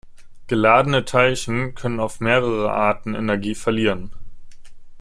Geladene Teilchen können auf mehrere Arten Energie verlieren.